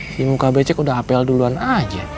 di muka becek udah apel duluan aja